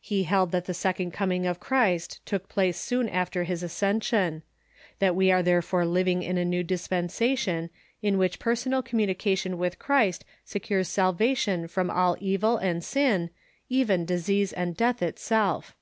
He held that the Second Coming of Christ took place soon after his Ascension ; that we ai*e therefore living in a new dispensation in which personal communication with Christ secures salvation from all evil and sin, even disease and death itself.